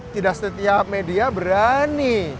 tidak setiap media berani